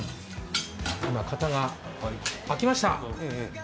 今、型が開きました。